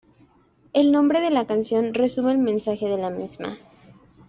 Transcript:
El nombre de la canción resume el mensaje de la misma.